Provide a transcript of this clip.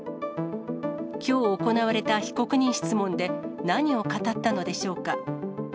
きょう行われた被告人質問で、何を語ったのでしょうか。